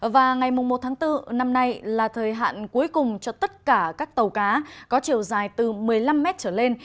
và ngày một tháng bốn năm nay là thời hạn cuối cùng cho tất cả các tàu cá có chiều dài từ một mươi năm mét trở lên